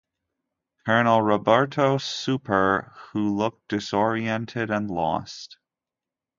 Colonel Roberto Souper, who looked disoriented and lost.